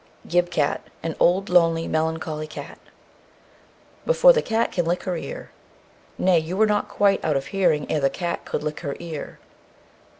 Gib cat; an old, lonely, melancholy cat. Before the cat can lick her ear. "Nay, you were not quite out of hearing ere the cat could lick her ear."